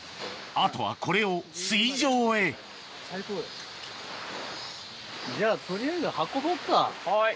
あとはこれを水上へじゃあ。